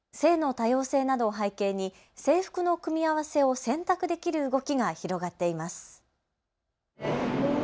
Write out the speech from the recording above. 性の多様性などを背景に制服の組み合わせを選択できる動きが広がっています。